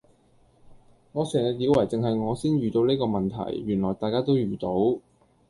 我成日以為淨係我先遇到呢個問題，原來大家都遇到